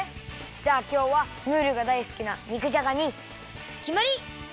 じゃあきょうはムールがだいすきな肉じゃがにきまり！